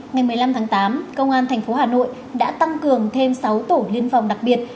ngày một mươi năm tháng tám công an thành phố hà nội đã tăng cường thêm sáu tổ liên phòng đặc biệt